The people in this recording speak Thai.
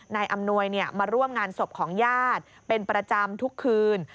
อำนวยมาร่วมงานศพของญาติเป็นประจำทุกคืน